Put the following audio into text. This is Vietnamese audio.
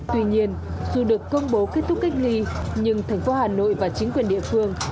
tuy nhiên dù được công bố kết thúc cách ly nhưng thành phố hà nội và chính quyền địa phương